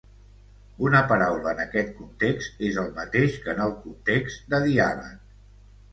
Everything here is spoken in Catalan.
Una paraula en aquest context és el mateix que en el context de diàleg.